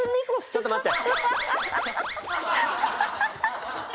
ちょっと待って。